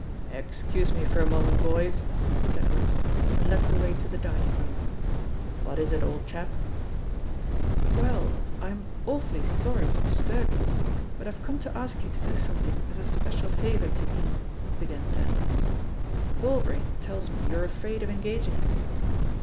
"Excuse me for a moment, boys," said Ross, and led the way to the dining room. "What is it, old chap ?" "Well, I*m awfully sorry to disturb you, but I Ve come to ask you to do something as a special favour to me," began Tatham. "Galbraith tells me you're afraid of engaging him.